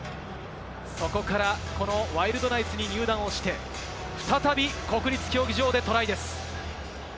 そこからこのワイルドナイツに入団をして、再び国立競技場でトライです。